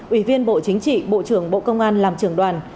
ủy viên bộ chính trị bộ trưởng bộ công an làm trưởng đoàn